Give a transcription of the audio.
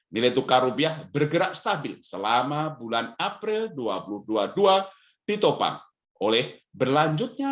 nilai tukar rupiah bergerak stabil selama bulan april dua ribu dua puluh dua ditopang oleh berlanjutnya